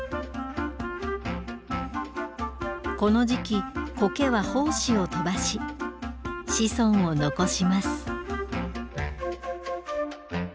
この時期コケは胞子を飛ばし子孫を残します。